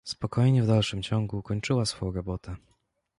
Spokojnie w dalszym ciągu kończyła swą robotę.